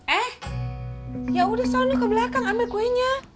eh yaudah soalnya ke belakang ambil kuenya